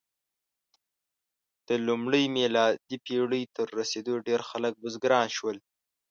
د لومړۍ میلادي پېړۍ تر رسېدو ډېری خلک بزګران شول.